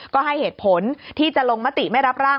ก็ให้เหตุผลที่จะลงมติไม่รับร่าง